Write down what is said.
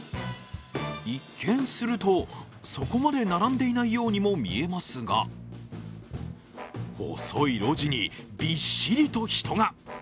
一見すると、そこまで並んでいないようにも見えますが、細い路地にびっしりと人が。